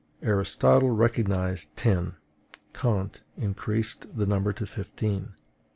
Aristotle recognized ten; Kant increased the number to fifteen; M.